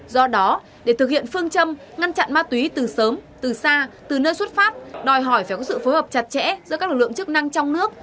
do đó để thực hiện phương châm ngăn chặn ma túy từ sớm từ xa từ nơi xuất phát đòi hỏi phải có sự phối hợp chặt chẽ giữa các lực lượng chức năng trong nước